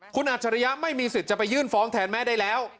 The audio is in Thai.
คุณอัจฉริยะไม่มีสิทธิ์จะไปยื่นฟ้องแทนแม่ได้แล้ว